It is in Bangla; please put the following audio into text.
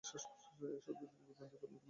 এ শতাব্দীতে বিজ্ঞান দ্রুত উন্নতি লাভ করে।